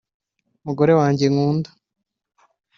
Mugore wanjye nkunda